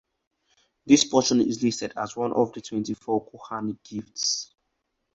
This portion is listed as one of the twenty-four kohanic gifts.